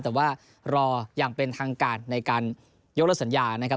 แต่ว่ารออย่างเป็นทางการในการยกเลิกสัญญานะครับ